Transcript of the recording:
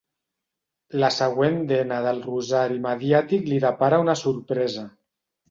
La següent dena del rosari mediàtic li depara una sorpresa.